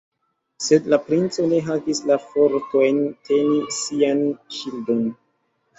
Sed la princo ne havis la fortojn teni sian ŝildon.